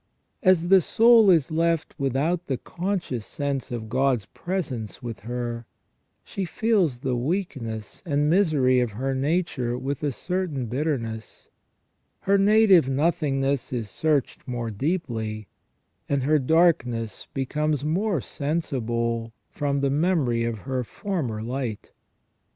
As the soul is left without the conscious sense of God's presence with her, she feels the weakness and misery of her nature with a certain bitterness ; her native nothing ness is searched more deeply, and her darkness becomes more sensible from the memory of her former light.